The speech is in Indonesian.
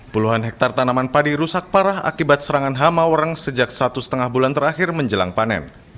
puluhan hektare tanaman padi rusak parah akibat serangan hamawereng sejak satu setengah bulan terakhir menjelang panen